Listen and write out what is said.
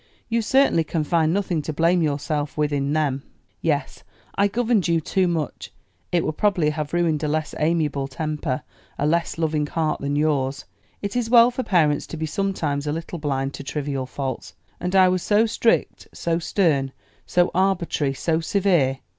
You certainly can find nothing to blame yourself with in them." "Yes; I governed you too much. It would probably have ruined a less amiable temper, a less loving heart, than yours. It is well for parents to be sometimes a little blind to trivial faults. And I was so strict, so stern, so arbitrary, so severe.